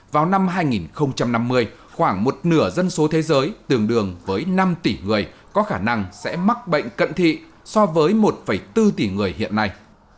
vào năm hai nghìn năm mươi khoảng một nửa dân số thế giới tương đương với năm tỷ người có khả năng sẽ mắc bệnh cận thị so với một bốn tỷ người hiện nay